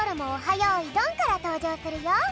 よいどん」からとうじょうするよ。